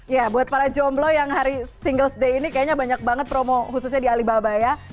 ya buat para jomblo yang hari singles day ini kayaknya banyak banget promo khususnya di alibaba ya